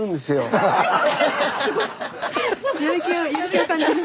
やる気を感じる。